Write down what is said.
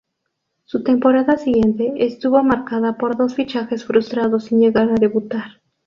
Su temporada siguiente estuvo marcada por dos fichajes frustrados sin llegar a debutar.